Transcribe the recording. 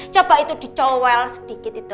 coba itu dicowel sedikit itu